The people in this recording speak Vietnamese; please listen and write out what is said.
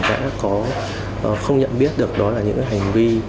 đã có không nhận biết được đó là những cái hành vi